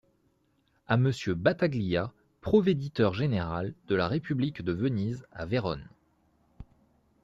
À Monsieur Bataglia, provéditeur-général de la république de Venise à Verone.